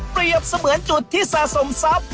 เปรียบเสมือนจุดที่สะสมทรัพย์